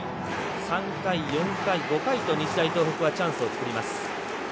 ３回、４回、５回と日大東北はチャンスを作ります。